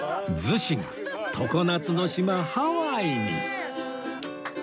逗子が常夏の島ハワイに